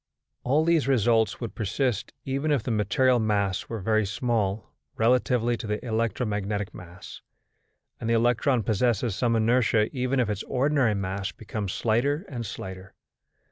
All these results would persist even if the material mass were very small relatively to the electromagnetic mass; and the electron possesses some inertia even if its ordinary mass becomes slighter and slighter.